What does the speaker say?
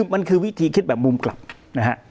มันคือวิธีคิดแบบมุมกลับนะฮะ